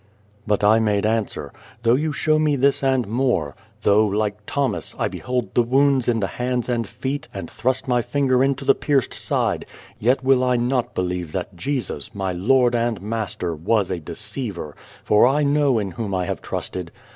But I made answer :" Though you show me this and more, though, like Thomas, I behold the wounds in the hands and feet, and thrust my finger into the pierced side, yet will I not believe that Jesus, my Lord and Master, was a deceiver, for I know in Whom I have trusted.